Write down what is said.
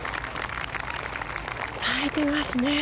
耐えてますね！